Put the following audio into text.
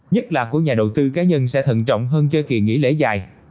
nhất là của nhà đầu tư cá nhân sẽ thận trọng hơn cho kỳ nghỉ lễ dài